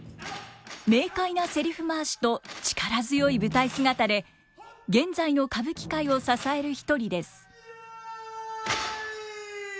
明快なせりふ回しと力強い舞台姿で現在の歌舞伎界を支える一人です。